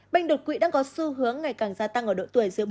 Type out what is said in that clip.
bệnh đột quỵ đang có xu hướng ngày càng gia tăng ở độ tuổi giữa bốn mươi năm